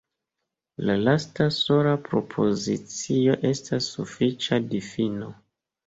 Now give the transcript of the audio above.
La lasta sola propozicio estas sufiĉa difino.